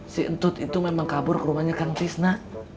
si entut itu memang kabur ke rumahnya kang fisna